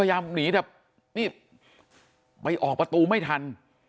พยายามหนีด้วยประตูไม่ทัน